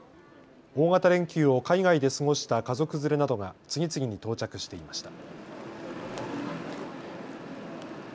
大型連休を海外で過ごした家族連れなどが次々に到着していました。